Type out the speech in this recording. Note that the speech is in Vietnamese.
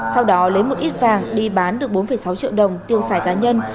sau đó lấy một ít vàng đi bán được bốn sáu triệu đồng tiêu xài cá nhân